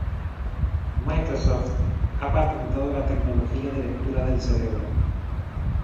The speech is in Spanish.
Microsoft ha patentado la tecnología de lectura del cerebro.